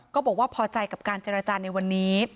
บอกว่าพอใจกับการเจรจาในวันนี้